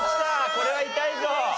これは痛いぞ。